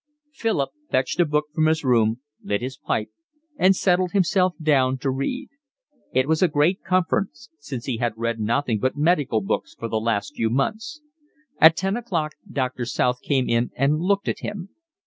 Philip fetched a book from his room, lit his pipe, and settled himself down to read. It was a great comfort, since he had read nothing but medical books for the last few months. At ten o'clock Doctor South came in and looked at him.